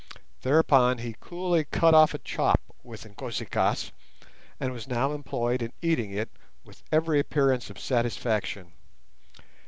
Thereupon he coolly cut off a chop with Inkosi kaas, and was now employed in eating it with every appearance of satisfaction.